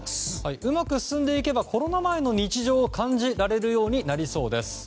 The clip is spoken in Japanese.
うまく進んでいけばコロナ前の日常を感じられるようになりそうです。